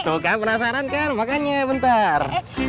tuh kamu penasaran kan makanya bentar